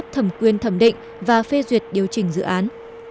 thầm quyên thẩm định và phê duyệt điều trình dự án